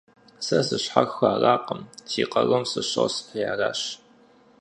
Сэ сыщхьэхыу аракъым, си къарум сыщосхьри аращ.